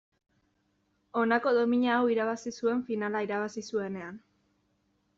Honako domina hau irabazi zuen finala irabazi zuenean.